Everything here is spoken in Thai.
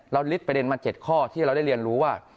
ลิดประเด็นมา๗ข้อที่เราได้เรียนรู้ว่า